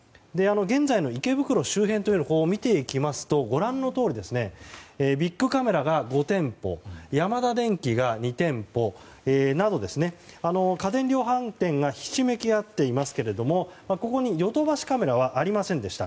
現在の池袋周辺を見ていきますとご覧のとおりビックカメラが５店舗ヤマダデンキが２店舗など家電量販店がひしめき合っていますけれどもここに、ヨドバシカメラはありませんでした。